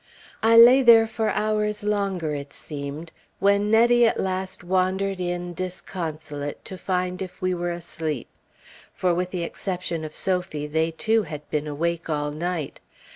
I lay there for hours longer, it seemed, when Nettie at last wandered in disconsolate to find if we were asleep; for with the exception of Sophie, they, too, had been awake all night.